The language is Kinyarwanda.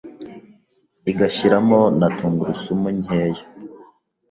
igashyiramo na Tungurusumu nkeya